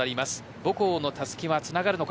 母校のたすきはつながるのか。